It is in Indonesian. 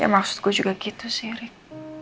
ya maksud gue juga gitu sih rik